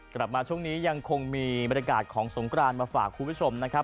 กลับมาช่วงนี้ยังคงมีบรรยากาศของสงกรานมาฝากคุณผู้ชมนะครับ